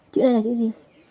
chữ này là chữ gì